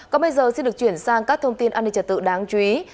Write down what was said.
còn bây giờ xin được chuyển sang các thông tin an ninh trật tự đáng chú ý